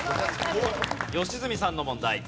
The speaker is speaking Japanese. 良純さんの問題。